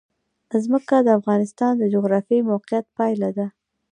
ځمکه د افغانستان د جغرافیایي موقیعت پایله ده.